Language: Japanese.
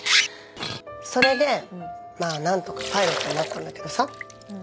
それでまぁ何とかパイロットになったんだけどさ。